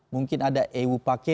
mungkin ada ewu pake